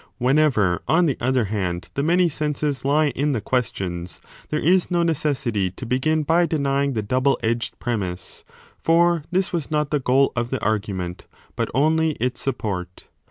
Whenever, on the other hand, the many senses lie in the questions, there is no necessity to begin by denying the double edged premiss : for this was not the goal of the argument but 20 only its support.